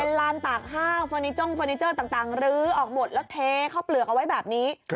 ลานตากห้าวเฟอร์นิจ้งเฟอร์นิเจอร์ต่างลื้อออกหมดแล้วเทเข้าเปลือกเอาไว้แบบนี้